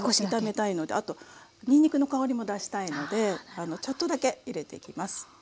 あとにんにくの香りも出したいのでちょっとだけ入れていきます。